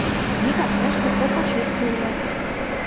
Вигак тыште кок ошибке уло.